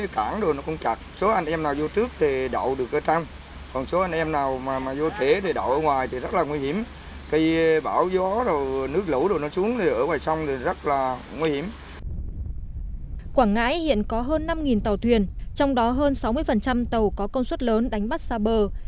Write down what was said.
quảng ngãi hiện có hơn năm tàu thuyền trong đó hơn sáu mươi tàu có công suất lớn đánh bắt xa bờ